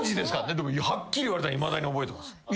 でもはっきり言われたのいまだに覚えてます。